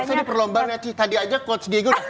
gak usah diperlombang ya tadi aja coach diego